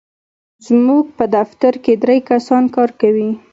زموږ په دفتر کې درې کسان کار کوي.